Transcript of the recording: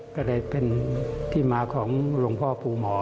ก็เลยเป็นที่มาของหลวงพ่อภูหมอ